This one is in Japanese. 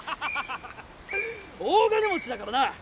大金持ちだからな！